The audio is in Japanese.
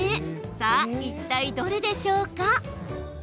さあ、いったいどれでしょうか？